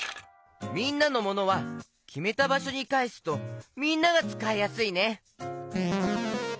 みんなのモノはきめたばしょにかえすとみんながつかいやすいね！